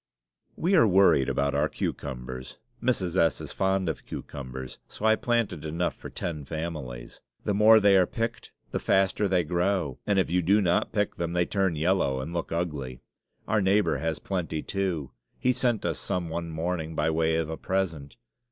We are worried about our cucumbers. Mrs. S. is fond of cucumbers, so I planted enough for ten families. The more they are picked, the faster they grow; and if you do not pick them, they turn yellow and look ugly. Our neighbor has plenty, too. He sent us some one morning, by way of a present.